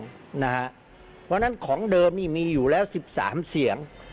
เพราะฉะนั้นของเดิมนี่มีอยู่แล้ว๑๓เสียง